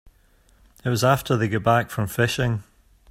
It was after they got back from fishing.